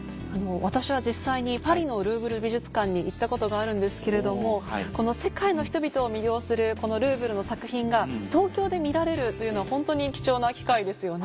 私は実際にパリのルーヴル美術館に行ったことがあるんですけれども世界の人々を魅了するこのルーヴルの作品が東京で見られるというのはホントに貴重な機会ですよね。